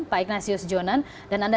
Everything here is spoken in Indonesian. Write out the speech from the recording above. pak ignasius jonan dan anda